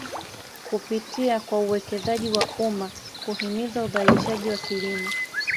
Kupitia kwa uwekezaji wa umma kuhimiza uzalishaji wa kilimo